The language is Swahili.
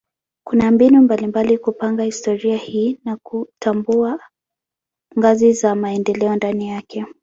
Kuna mbinu mbalimbali kupanga historia hii na kutambua ngazi za maendeleo ndani yake.